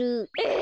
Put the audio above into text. え！